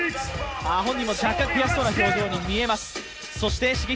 本人も若干悔しそうな表情に見えます。